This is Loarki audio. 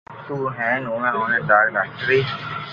تو ھين اووي اوني ڌاڪٽري